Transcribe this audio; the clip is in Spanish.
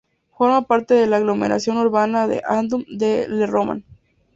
Forma parte de la aglomeración urbana de Audun-le-Roman.